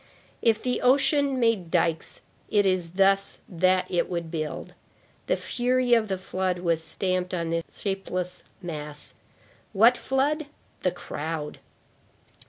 If the ocean made dikes, it is thus that it would build. The fury of the flood was stamped upon this shapeless mass. What flood? The crowd.